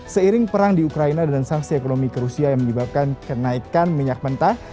seiring perang di ukraina dan sanksi ekonomi ke rusia yang menyebabkan kenaikan minyak mentah